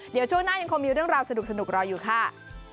เดี๋ยวช่วงหน้ายังคงมีเรื่องราวสนุกรออยู่ค่ะ